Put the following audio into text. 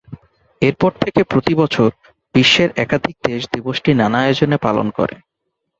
এরপর থেকে প্রতিবছর বিশ্বের একাধিক দেশ দিবসটি নানা আয়োজনে পালন করে।